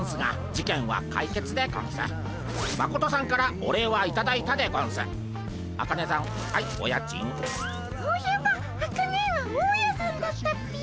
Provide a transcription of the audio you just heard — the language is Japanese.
そういえばアカネエは大家さんだったっピィ。